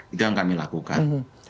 itu yang kami lakukan